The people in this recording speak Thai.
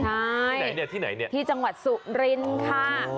ใช่ที่ไหนเนี่ยค่ะที่จังหวัดสุรินทร์ค่ะอ๋อ